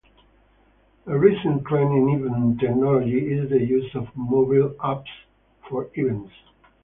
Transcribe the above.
A recent trend in event technology is the use of mobile apps for events.